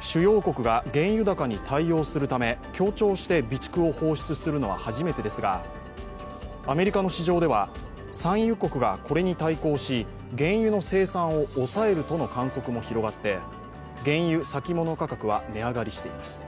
主要国が原油高に対応するため協調して備蓄を放出するのは初めてですが、アメリカの市場では産油国がこれに対抗し原油の生産を抑えるとの観測も広がって、原油先物価格は値上がりしています。